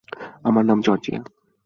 আমার নাম জর্জিয়া।